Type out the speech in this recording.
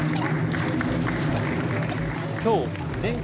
今日、全国